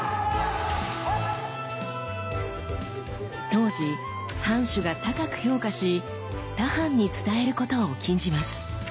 当時藩主が高く評価し他藩に伝えることを禁じます。